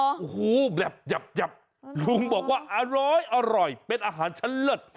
โอ้โหแบบหยับลุงบอกว่าอร้อยเป็นอาหารชั้นเลิศ